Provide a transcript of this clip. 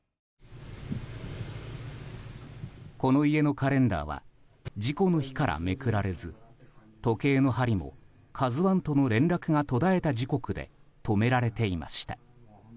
この家のカレンダーは事故の日からめくられず時計の針も「ＫＡＺＵ１」との連絡が途絶えた時刻で止められていました。